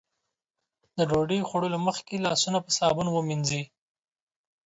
د ډوډۍ خوړلو مخکې لاسونه په صابون ومينځئ.